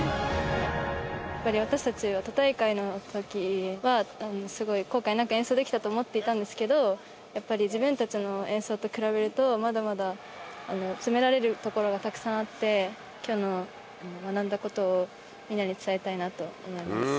やっぱり私たちは都大会のときは、すごい後悔なく演奏できたと思っていたんですけど、やっぱり自分たちの演奏と比べると、まだまだ詰められるところがたくさんあって、きょうの学んだことを、みんなに伝えたいなって思います。